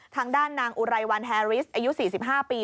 ทางด้านนางอุไรวันแฮริสอายุ๔๕ปี